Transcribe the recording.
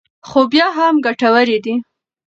خو بیا هم ګټورې دي.